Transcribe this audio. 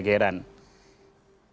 kami memperakarsain untuk bikin gageran